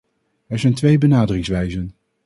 Er zijn twee benaderingswijzen.